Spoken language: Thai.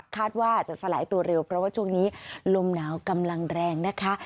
คาดว่าจะสลายตัวเร็วเพราะว่าช่วงนี้ลมหนาวกำลังแรงนะคะ